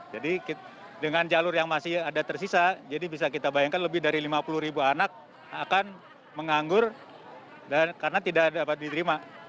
jadi dengan jalur yang masih ada tersisa jadi bisa kita bayangkan lebih dari lima puluh ribu anak akan menganggur karena tidak dapat diterima